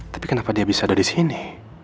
tapi kenapa dia bisa ada disini